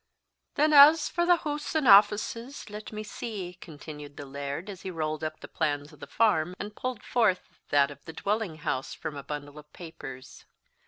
"Then as for the hoose and offices, let me see," continued the Laird, as he rolled up the plans of the farm, and pulled forth that of the dwelling house from a bundle of papers.